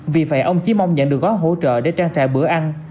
vì vậy ông chỉ mong nhận được gói hỗ trợ để trang trại bữa ăn